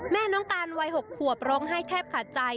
แม่น้องตานวัย๖ขวบร้องไห้แทบขาดใจ